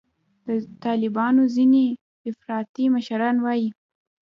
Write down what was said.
د طالبانو ځیني افراطي مشران وایي